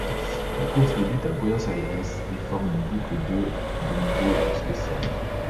La course débute à Buenos Aires et forme une boucle de dont de spéciales.